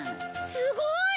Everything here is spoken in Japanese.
すごい！